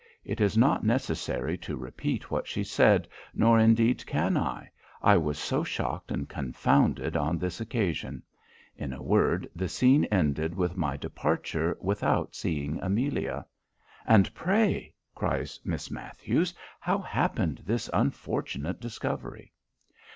It is not necessary to repeat what she said, nor indeed can I, I was so shocked and confounded on this occasion. In a word, the scene ended with my departure without seeing Amelia." "And pray," cries Miss Matthews, "how happened this unfortunate discovery?"